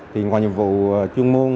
thì ngoài nhiệm vụ chuyên môn